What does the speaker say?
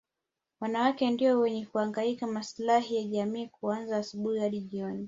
Wanawake ndio wenye kuhangaikia maslahi ya jamii kuanzia asubuhi hadi jioni